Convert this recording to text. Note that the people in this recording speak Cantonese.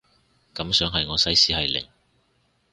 感想係我西史係零